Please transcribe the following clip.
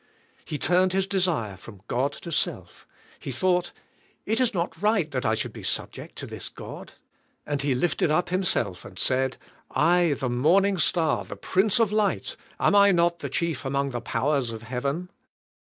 He turned his desire from God to self; he thoug ht, "It is not rig ht that I should be subject to this God." And he lifted up himself and said, "I, the morning star, the prince of light, am I not the chief among the powers of heaven?"